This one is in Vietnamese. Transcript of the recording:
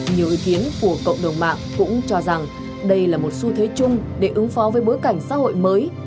nhiều ý kiến của cộng đồng mạng cũng cho rằng đây là một xu thế chung để ứng phó với bối cảnh xã hội mới